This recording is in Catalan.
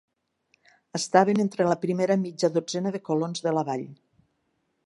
Estaven entre la primera mitja dotzena de colons de la vall.